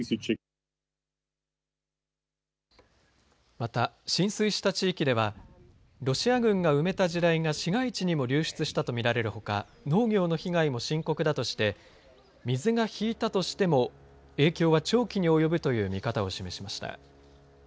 また、浸水した地域ではロシア軍が埋めた地雷が市街地にも流出したとみられるほか農業の被害も深刻だとして水が引いたとしても影響は長期に及ぶという見方を示しました。